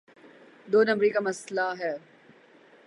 دو نمبری کا مسئلہ ہے۔